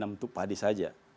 enam untuk padi saja